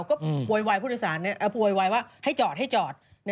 ก็โวยวายผู้โดยสารโวยวายว่าให้จอดให้จอด